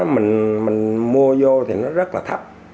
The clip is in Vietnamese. mình mua vô thì nó rất là thấp